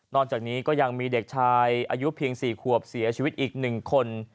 จากนี้ก็ยังมีเด็กชายอายุเพียง๔ขวบเสียชีวิตอีก๑คน